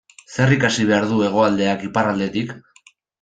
Zer ikasi behar du Hegoaldeak Iparraldetik?